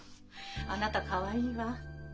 あなたかわいいわ。